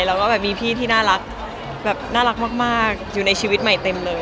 อเรนนี่น่ารักแบบน่ารักมากอยู่ในชีวิตใหม่เต็มเลย